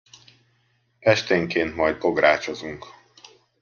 Esténként majd bográcsozunk.